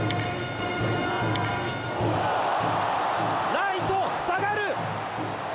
ライト下がる！